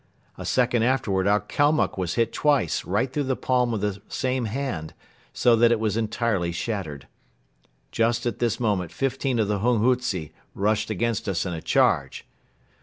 A second afterward our Kalmuck was hit twice right through the palm of the same hand, so that it was entirely shattered. Just at this moment fifteen of the hunghutze rushed against us in a charge.